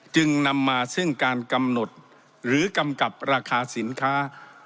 จึงนำมาซึ่งการกำหนดหรือกำกับราคาสินค้า